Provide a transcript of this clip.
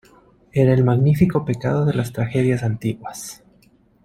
era el magnífico pecado de las tragedias antiguas.